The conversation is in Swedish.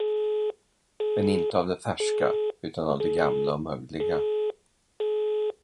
Men inte av det färska utan av det gamla och mögliga.